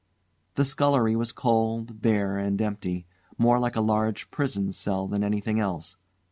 The scullery was cold, bare, and empty; more like a large prison cell than anything else.